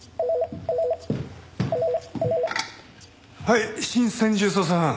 はい新専従捜査班。